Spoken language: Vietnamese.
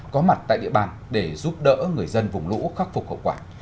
có mặt tại địa bàn để giúp đỡ người dân vùng lũ khắc phục hậu quả